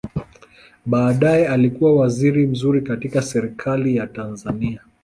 Baadaye alikua waziri mzuri katika Serikali ya Tanzania.